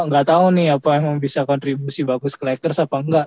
gak tau nih apa emang bisa kontribusi bagus ke lakers apa enggak